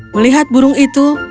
melihat burung itu